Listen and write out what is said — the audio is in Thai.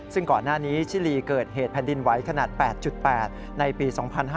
ซึ่งก่อนหน้านี้ชิลีเกิดเหตุแผ่นดินไหวขนาด๘๘ในปี๒๕๕๙